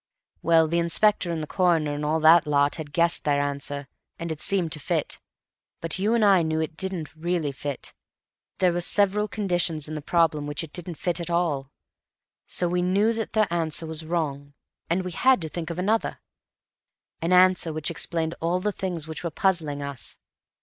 Well, the Inspector and the Coroner and all that lot had guessed their answer, and it seemed to fit, but you and I knew it didn't really fit; there were several conditions in the problem which it didn't fit at all. So we knew that their answer was wrong, and we had to think of another—an answer which explained all the things which were puzzling us.